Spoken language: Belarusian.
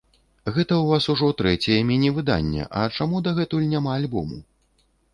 Гэта ў вас ужо трэцяе міні-выданне, а чаму дагэтуль няма альбому?